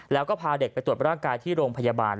แล้วก็พาเด็กไปตรวจร่างกายที่โรงพยาบาล